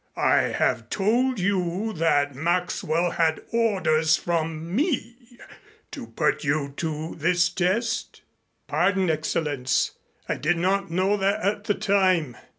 I have told you that Maxwell had orders from me to put you to this test?" "Pardon, Excellenz. I did not know that at the time.